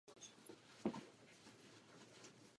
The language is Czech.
Později v tomto roce podepsala smlouvu s Roc Nation.